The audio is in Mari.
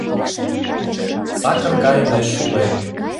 Сакыр гае мый шулем